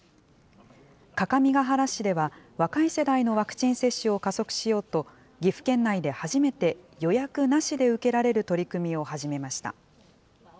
各務原市では若い世代のワクチン接種を加速しようと、岐阜県内では初めて、予約なしで受けられる取り組みを始めました。